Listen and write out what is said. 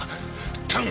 頼む！